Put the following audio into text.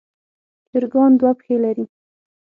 چرګان دوه پښې لري.